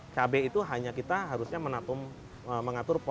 cabai itu hanya kita harusnya mengatur pola tersebut